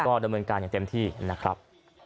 ก็ดำเนินการอย่างเต็มที่นะครับ